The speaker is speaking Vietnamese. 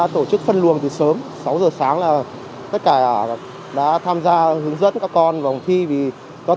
tuy nhiên tháng nay thì do